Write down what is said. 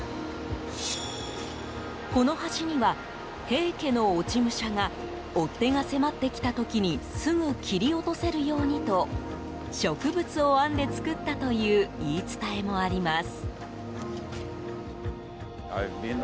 この橋には、平家の落ち武者が追っ手が迫ってきた時にすぐ切り落とせるようにと植物を編んで作ったという言い伝えもあります。